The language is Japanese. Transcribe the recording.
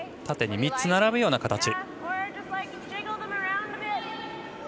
縦に３つ並ぶような形。